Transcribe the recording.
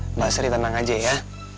mbak sri tenang aja ya